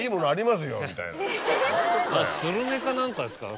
スルメか何かですか？